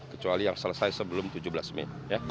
kecuali yang selesai sebelum tujuh belas mei